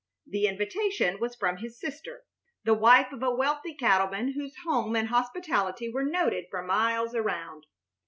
The invitation was from his sister, the wife of a wealthy cattleman whose home and hospitality were noted for miles around.